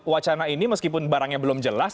wacana ini meskipun barangnya belum jelas